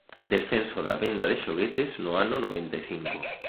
Descenso da venda de xoguetes no ano noventa e cinco